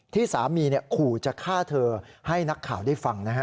ที่สามีขู่จะฆ่าเธอให้นักข่าวได้ฟังนะฮะ